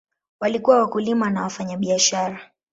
Walikuwa wakulima na wafanyabiashara.